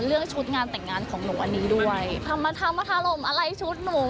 เรื่องชุดงานแต่งงานของหนูอันนี้ด้วยธรรมธรรมอะไรชุดหนู